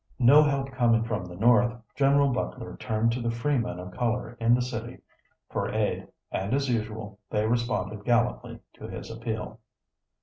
No help coming from the North, General Butler turned to the free men of color in the city for aid, and as usual, they responded gallantly to his appeal.